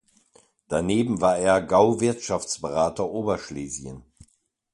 Daneben war er Gauwirtschaftsberater Oberschlesien.